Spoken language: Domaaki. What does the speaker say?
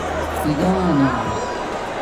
تگانݳ